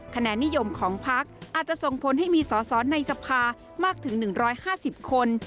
คะแนนิยมของภักษ์อาจจะส่งผลให้มีสอสอในสภามากถึงหนึ่งร้อยห้าสิบคน